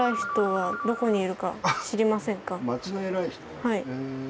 はい。